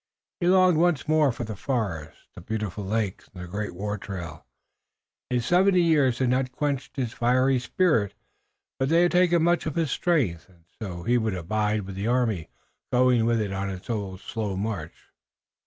He longed once more for the forests, the beautiful lakes and the great war trail. His seventy years had not quenched his fiery spirit, but they had taken much of his strength, and so he would abide with the army, going with it on its slow march.